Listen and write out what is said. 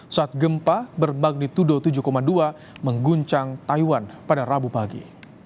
saat gempa bermagnitudo tujuh dua mengguncang taiwan pada rabu pagi